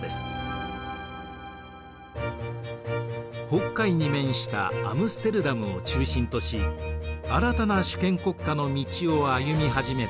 北海に面したアムステルダムを中心とし新たな主権国家の道を歩み始めたオランダ。